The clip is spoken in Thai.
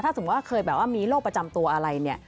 สมมุติว่าเคยแบบว่ามีโรคประจำตัวอะไรเนี่ย